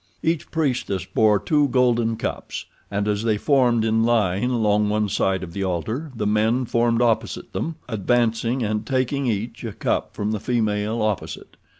Each priestess bore two golden cups, and as they formed in line along one side of the altar the men formed opposite them, advancing and taking each a cup from the female opposite.